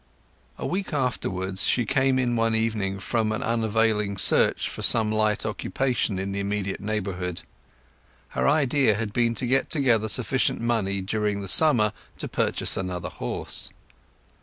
A week afterwards she came in one evening from an unavailing search for some light occupation in the immediate neighbourhood. Her idea had been to get together sufficient money during the summer to purchase another horse.